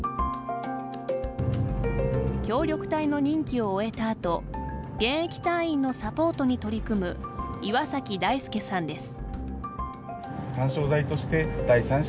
協力隊の任期を終えた後現役隊員のサポートに取り組む岩崎大輔さんです。